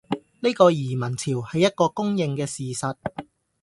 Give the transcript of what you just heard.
呢個移民潮，係一個公認嘅事實